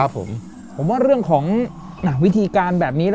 ผมว่าเรื่องของวิธีการแบบนี้